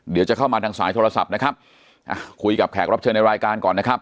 เดี๋ยวจะเข้ามาทางสายโทรศัพท์นะครับคุยกับแขกรับเชิญในรายการก่อนนะครับ